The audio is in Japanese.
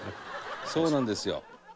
そうなんですよ。